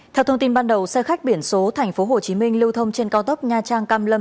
theo thông tin ban đầu xe khách biển số tp hcm lưu thông trên cao tốc nha trang cam lâm